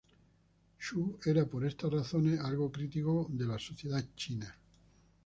Xu era por estas razones algo crítico de la sociedad china.